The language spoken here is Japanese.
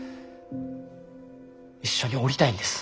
一緒におりたいんです